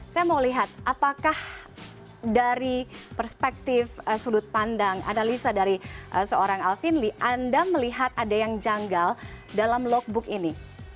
saya mau lihat apakah dari perspektif sudut pandang analisa dari seorang alvin lee anda melihat ada yang janggal dalam logbook ini